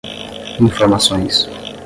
informações